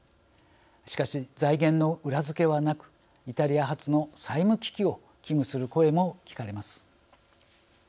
しかし、財源の裏付けはなくイタリア発の債務危機を危惧する声も聞かれます。